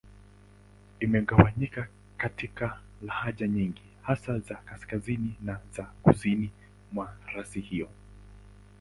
Imegawanyika katika lahaja nyingi, hasa za Kaskazini na za Kusini mwa rasi hiyo.